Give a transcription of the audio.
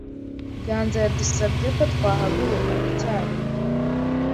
Ganza yadusabye ko twahaguruka icyarimwe.